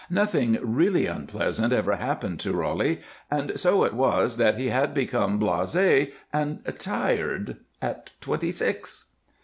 Nothing really unpleasant ever happened to Roly, and so it was that he had become blasé and tired at twenty six.